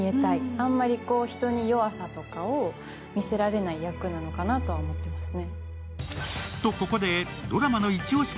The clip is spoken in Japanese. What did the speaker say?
あまり人に弱さとかを見せられない役なのかなと思っていますね。